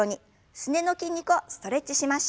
すねの筋肉をストレッチしましょう。